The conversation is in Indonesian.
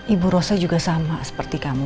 ibu rosa juga sama seperti kamu